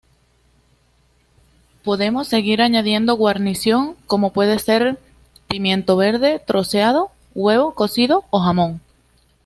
Podemos seguir añadiendo guarnición, como puede ser pimiento verde troceado, huevo cocido o jamón.